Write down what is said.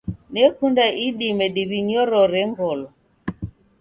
Nekunda idime diw'inyorore ngolo.